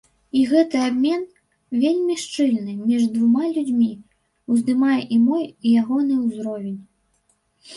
І гэты абмен, вельмі шчыльны, між двума людзьмі, уздымае і мой, і ягоны ўзровень.